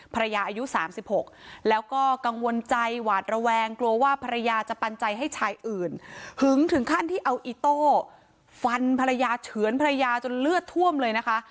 อายุ๓๖แล้วก็กังวลใจหวาดระแวงกลัวว่าภรรยาจะปันใจให้ชายอื่นหึงถึงขั้นที่เอาอิโต้ฟันภรรยาเฉือนภรรยาจนเลือดท่วมเลยนะคะ